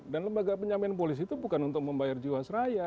dan lembaga penjamin polis itu bukan untuk membayar jiwa seraya